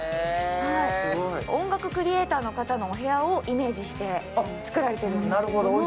音楽クリエイターの方のお部屋をイメージして作られてるんですが。